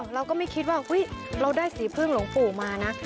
เราก็ไม่คิดว่าเราได้สีพึ่งหลวงปู่มานะ